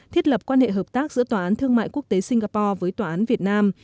thiết lập quan hệ hợp tác giữa tòa án thương mại quốc tế singapore với tòa án việt nam